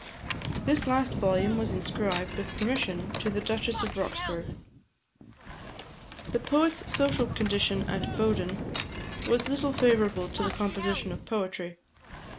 This last volume was inscribed, with permission, to the Duchess of Roxburghe. The poet's social condition at Bowden was little favourable to the composition of poetry.